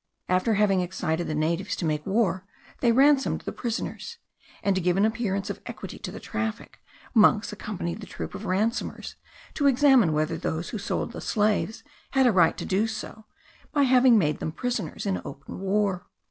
After having excited the natives to make war, they ransomed the prisoners; and, to give an appearance of equity to the traffic, monks accompanied the troop of ransomers to examine whether those who sold the slaves had a right to do so, by having made them prisoners in open war.